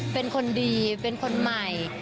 เป็นคนดีเป็นคนใหม่